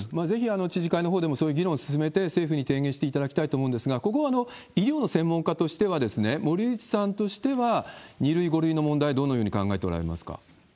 ぜひ知事会のほうでもそういう議論を進めて、政府に提言していただきたいと思うんですが、ここは、医療の専門家としては森内さんとしては２類、５類の問題、どのように考えておられますか？